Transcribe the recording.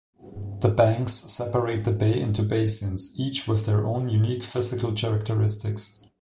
The banks separate the bay into basins, each with their own unique physical characteristics.